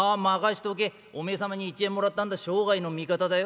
お前様に１円もらったんだし生涯の味方だよ」。